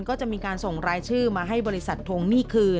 ก็จะมีการส่งรายชื่อมาให้บริษัททวงหนี้คืน